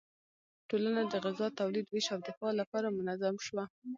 ټولنه د غذا تولید، ویش او دفاع لپاره منظم شوه.